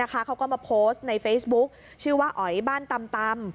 เขาก็มาโพสต์ในเฟซบุ๊คชื่อว่าอ๋อยบ้านตำ